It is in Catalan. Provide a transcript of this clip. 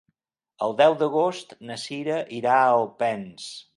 El deu d'agost na Cira irà a Alpens.